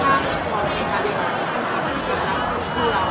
ไม่ว่านี่แอนาคตก็ไม่ได้ไหม